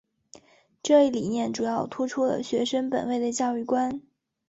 这一理念主要突出了学生本位的教育观。